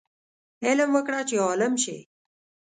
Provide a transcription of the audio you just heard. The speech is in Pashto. علم وکړه چې عالم شې